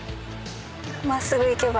「真っすぐ行けば」